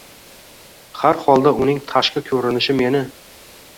Har holda uning tashki ko`rinishi meni